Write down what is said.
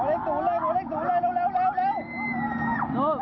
เร็วเร็วเร็วเร็ว